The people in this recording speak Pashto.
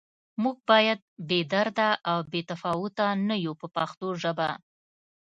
موږ باید بې درده او بې تفاوته نه یو په پښتو ژبه.